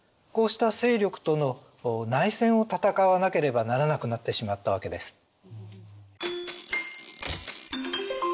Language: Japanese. こうした勢力との内戦を戦わなければならなくなってしまったわけです。